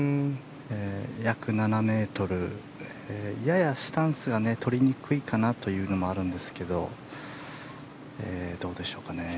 約７ｍ、ややスタンスが取りにくいかなというところはありますがどうでしょうかね。